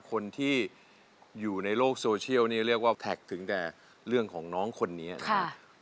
คนที่อยู่ในโลกโซเชียลนี่เรียกว่าแท็กถึงแต่เรื่องของน้องคนนี้นะครับ